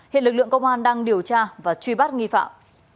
hiện lực lượng công an đang điều tra và truy bắt nghi phạm